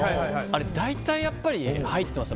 大体やっぱり入ってますね。